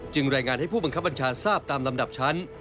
รายงานให้ผู้บังคับบัญชาทราบตามลำดับชั้น